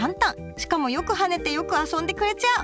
しかもよく跳ねてよく遊んでくれちゃう！